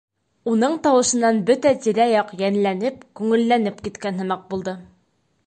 Уның тауышынан бөтә тирә-яҡ йәнләнеп, күңелләнеп киткән һымаҡ булды.